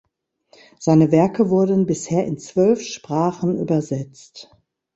Seine Werke wurden bisher in zwölf Sprachen übersetzt.